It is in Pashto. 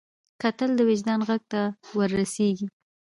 کتل د وجدان غږ ته ور رسېږي